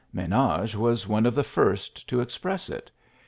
Menage was one of the first to express it.